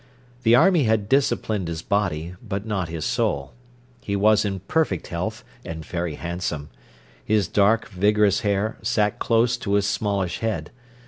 The army had disciplined his body, but not his soul. He was in perfect health and very handsome. His dark, vigorous hair sat close to his smallish head.